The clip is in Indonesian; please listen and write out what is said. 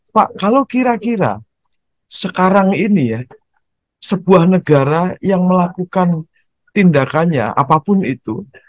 pak kalau kira kira sekarang ini ya sebuah negara yang melakukan tindakannya apapun itu